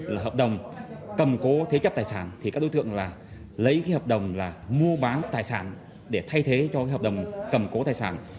lấy cái hợp đồng là mua bán tài sản để thay thế cho cái hợp đồng cầm cố tài sản